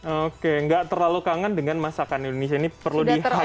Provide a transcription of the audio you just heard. oke nggak terlalu kangen dengan masakan indonesia ini perlu di high